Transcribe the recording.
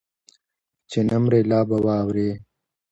چې نه مرې لا به واورې